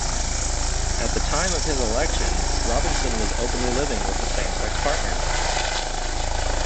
At the time of his election, Robinson was openly living with a same-sex partner.